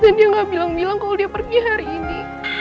dan dia nggak bilang bilang kalau dia pergi hari ini